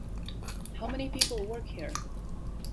How many people work here?